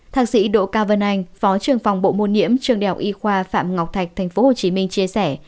thạc sĩ đỗ cao vân anh phó trưởng phòng bộ môn niễm trường đèo y khoa phạm ngọc thạch tp hcm chia sẻ